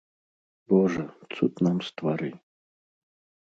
Божа, цуд нам ствары.